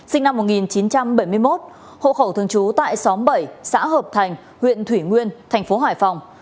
sinh năm một nghìn chín trăm bảy mươi một hộ khẩu thường trú tại xóm bảy xã hợp thành huyện thủy nguyên thành phố hải phòng